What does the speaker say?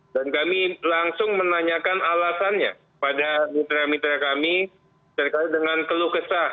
dan kami langsung menanyakan alasannya pada mitra mitra kami terkait dengan keluh kesah